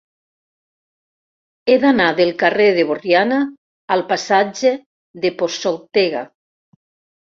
He d'anar del carrer de Borriana al passatge de Posoltega.